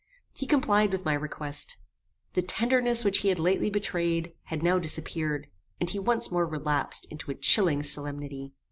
He complied with my request. The tenderness which he had lately betrayed, had now disappeared, and he once more relapsed into a chilling solemnity.